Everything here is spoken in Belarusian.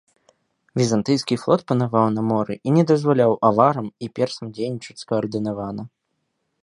Візантыйскі флот панаваў на моры і не дазваляў аварам і персам дзейнічаць скаардынавана.